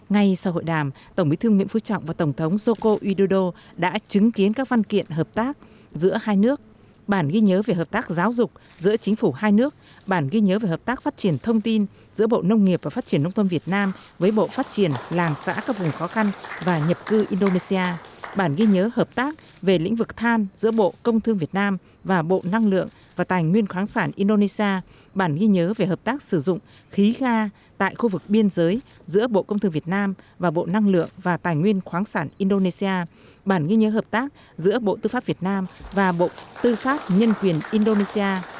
tại cuộc hội đàm tổng bí thương nguyễn phú trọng và tổng thống joko widodo khẳng định tầm quan trọng của việc duy trì hòa bình ổn định trong khu vực đảm bảo an ninh an toàn tự do hàng hải và hàng không ở biển đông